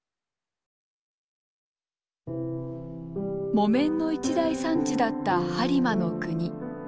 木綿の一大産地だった播磨国。